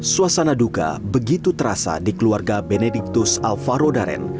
suasana duka begitu terasa di keluarga benediktus alvaro daren